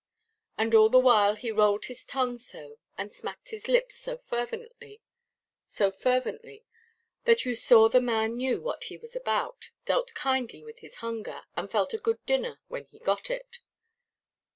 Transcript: And all the while he rolled his tongue so, and smacked his lips so fervently, that you saw the man knew what he was about, dealt kindly with his hunger, and felt a good dinner—when he got it.